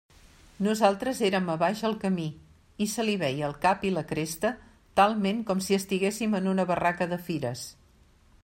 Nosaltres érem a baix al camí, i se li veia el cap i la cresta talment com si estiguéssim en una barraca de fires.